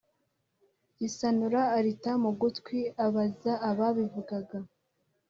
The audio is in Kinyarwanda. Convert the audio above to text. gisanura arita mu gutwi. abaza ababivugaga,